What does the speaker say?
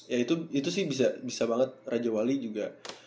ya itu sih bisa banget raja wali juga